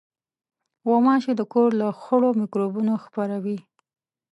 غوماشې د کور له خوړو مکروبونه خپروي.